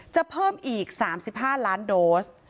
เพิ่มอีก๓๕ล้านโดส